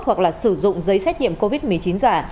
hoặc là sử dụng giấy xét nghiệm covid một mươi chín giả